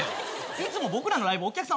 いつも僕らのライブお客さん